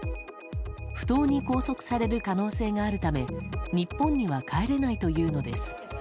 不当に拘束される可能性があるため日本には帰れないというのです。